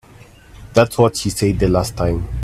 That's what she said the last time.